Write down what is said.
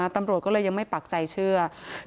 ตำรวจก็เลยยังไม่ปักใจเชื่อ